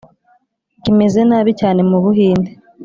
kimeze nabi cyane mu buhinde